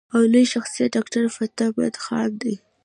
او لوئ شخصيت ډاکټر فتح مند خان دے ۔